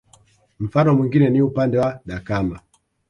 Mfano mwingine ni upande wa Dakama